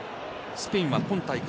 スペインは今大会